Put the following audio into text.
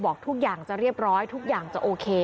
บอกทุกอย่างจะเรียบร้อยทุกอย่างจะโอเค